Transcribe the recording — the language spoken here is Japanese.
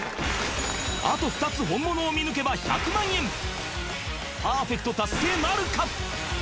あと２つ本物を見抜けば１００万円パーフェクト達成なるか？